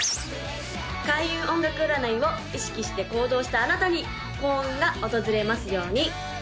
開運音楽占いを意識して行動したあなたに幸運が訪れますように！